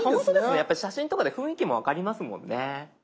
やっぱり写真とかで雰囲気も分かりますもんね。